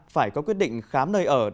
phải có quyết định khám nơi ở